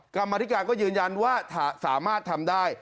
กรรมธิการก็ยืนยันว่าสามารถทำได้